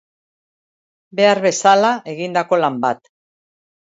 Behar bezala egindako lan bat.